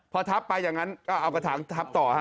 พอทับไปอย่างนั้นก็เอากระถางทับต่อฮะ